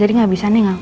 jadi gak bisa nih gak